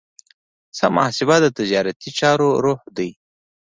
سمه محاسبه د تجارتي چارو روح دی.